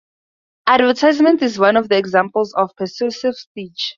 Advertisement is one of the examples of persuasive speech.